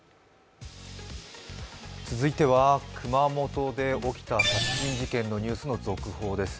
続いては熊本で起きた殺人事件のニュースの続報です。